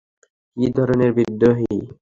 কী ধরণের বিদ্রোহী?